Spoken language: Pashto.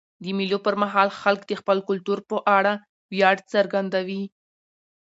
د مېلو پر مهال خلک د خپل کلتور په اړه ویاړ څرګندوي.